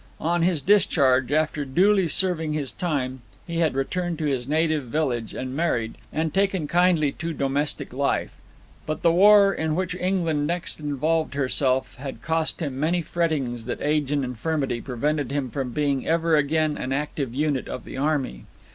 On his discharge, after duly serving his time, he had returned to his native village, and married, and taken kindly to domestic life. But the war in which England next involved herself had cost him many frettings that age and infirmity prevented him from being ever again an active unit of the army.